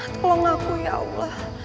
tolong aku ya allah